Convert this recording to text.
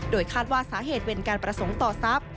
คาดว่าสาเหตุเป็นการประสงค์ต่อทรัพย์